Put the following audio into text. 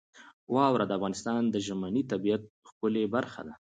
واوره د افغانستان د ژمنۍ طبیعت ښکلې برخه ده.